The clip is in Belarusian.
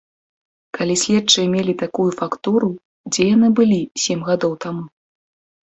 Калі следчыя мелі такую фактуру, дзе яны былі сем гадоў таму?